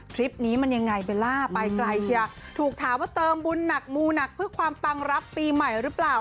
คลิปนี้มันยังไงเบลล่าไปไกลเชียร์ถูกถามว่าเติมบุญหนักมูหนักเพื่อความปังรับปีใหม่หรือเปล่า